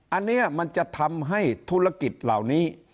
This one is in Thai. อันนี้มันจะทำให้ธุรกิจเหล่านี้